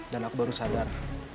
dan aku baru sadar